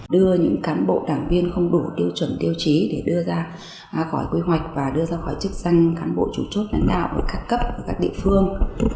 đưa những cán bộ đảng viên không đủ tiêu chuẩn tiêu chí để đưa ra khỏi quy hoạch và đưa ra khỏi chức danh cán bộ chủ chốt lãnh đạo của các cấp ở các địa phương